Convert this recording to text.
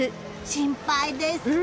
心配です。